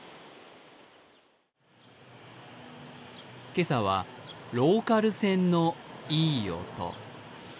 今朝はローカル線のいい音。